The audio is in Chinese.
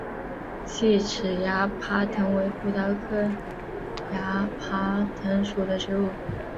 细齿崖爬藤为葡萄科崖爬藤属的植物。